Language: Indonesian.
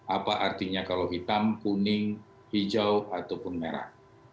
apa artinya kalau hitam kuning hijau ataupun merah